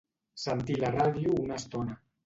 Sentir la ràdio una estona.